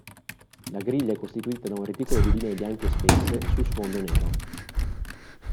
La griglia è costituita da un reticolo di linee bianche spesse su sfondo nero.